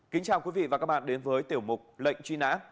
kính chào quý vị và các bạn đến với tiểu mục lệnh truy nã